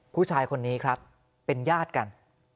ผู้ชายคนนี้ครับเป็นญาติกัน